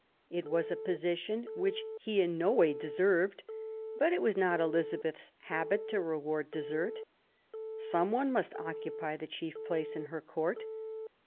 It was a position which he in no way deserved ; but it was not Eliza beth's habit to reward desert. Some one must occupy the chief place in her Court.